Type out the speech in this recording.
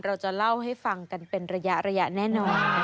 เราจะเล่าให้ฟังกันเป็นระยะแน่นอน